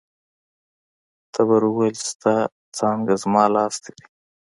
تبر وویل چې ستا څانګه زما لاستی دی.